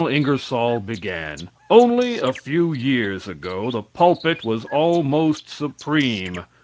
Ingersoll began, "Only a few years ago the pulpit was almost supreme.